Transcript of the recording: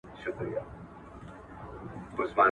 امام رازي رحمه الله فرمايلي دي.